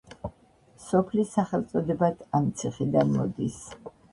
სოფლის სახელწოდებაც ამ ციხიდან მოდის.